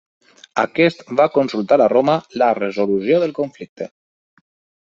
Aquest va consultar a Roma la resolució del conflicte.